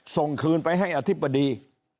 ส่งคืนไปให้อธิบดี